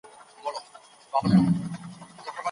مشرانو به د ولس د یووالي لپاره هر ډول قربانۍ ته چمتو وو.